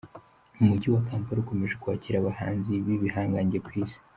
Umujyi wa Kampala ukomeje kwakira abahanzi b’ibihangange ku isi.